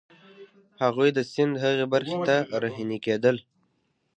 هغوی د سیند هغې برخې ته رهنيي کېدل.